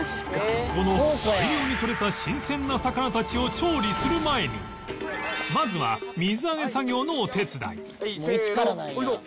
この大量にとれた新鮮な魚たちを調理する前にまずはせーのよいしょっ。